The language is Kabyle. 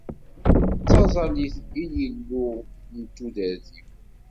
D taẓallit i Yillu n tudert-iw.